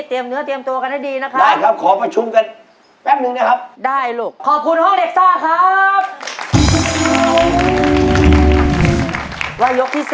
เตรียมเนื้อเตรียมตัวกันให้ดีนะครับครับ